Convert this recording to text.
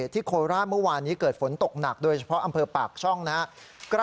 โคราชเมื่อวานนี้เกิดฝนตกหนักโดยเฉพาะอำเภอปากช่องนะครับ